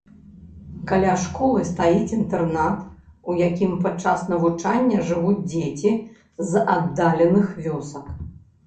Каля школы стаіць інтэрнат, у якім падчас навучання жывуць дзеці з аддаленых вёсак.